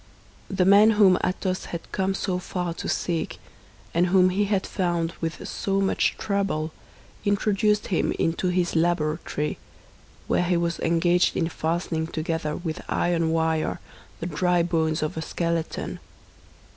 The man whom Athos had come so far to seek, and whom he had found with so much trouble, introduced him into his laboratory, where he was engaged in fastening together with iron wire the dry bones of a skeleton.